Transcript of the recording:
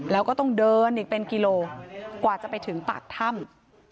แล้วก็ต้องเดินอีกเป็นกิโลกว่าจะไปถึงปากถ้ำ